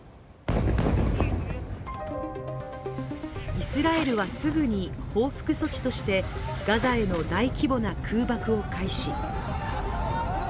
イスラエルは、すぐに報復措置としてガザへの大規模な空爆を開始。